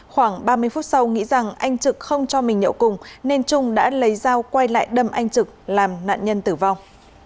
khoảng ba mươi phút sau nghĩ rằng anh trực không cho mình nhậu cùng nên trung đã lấy dao quay lại đâm anh trực làm nạn nhân tử vong